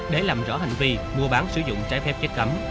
để làm rõ hành vi mua bán sử dụng trái phép chất cấm